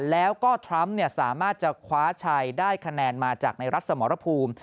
แล้วก็ทรัมป์สามารถจะคว้าชัยได้คะแนนมาจากในรัฐสมรภูมิ